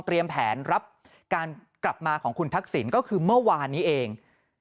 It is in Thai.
แผนรับการกลับมาของคุณทักษิณก็คือเมื่อวานนี้เอง